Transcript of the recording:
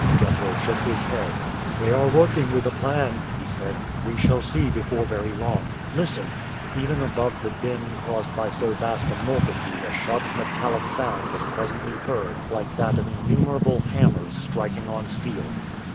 Jethro shook his head. "They are working with a plan," he said. "We shall see before very long. Listen." Even above the din caused by so vast a multitude a sharp metallic sound was presently heard like that of innumerable hammers striking on steel.